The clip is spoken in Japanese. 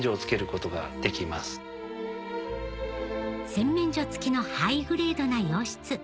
洗面所付きのハイグレードな洋室